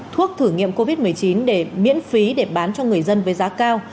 thuốc thử nghiệm covid một mươi chín để miễn phí để bán cho người dân với giá cao